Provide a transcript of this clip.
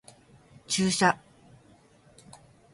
注射